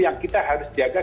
yang kita harus jaga